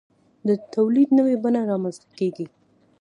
د تولید نوې بڼه رامنځته کیږي.